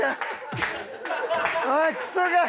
おいクソが！